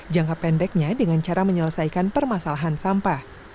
jangka pendeknya dengan cara menyelesaikan permasalahan sampah